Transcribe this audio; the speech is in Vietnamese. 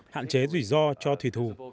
hạn chế rủi ro cho thủy thủ